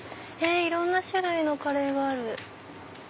いろんな種類のカレーがある。